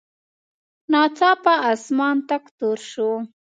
ناڅاپه اسمان تک تور شو.